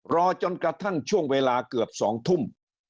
รอจนกระทั่งช่วงเวลาเกือบ๒ทุ่ม